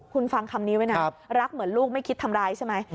คุณฟังคำนี้ไว้นะรักเหมือนลูกไม่คิดทำร้ายใช่ไหม